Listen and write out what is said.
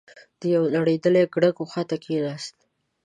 د يوې نړېدلې ګړنګ خواته کېناست.